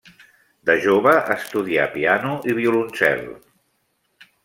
De jove estudià piano i violoncel.